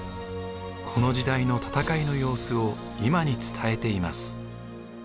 この時代の戦いの様子を今に伝えています。